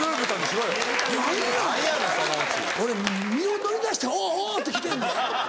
俺身を乗り出しておうおうって来てんで。